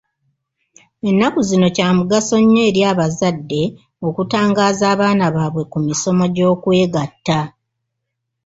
Ennaku zino kya mugaso nnyo eri abazadde okutangaaza abaana baabwe ku misomo gy'okwegatta.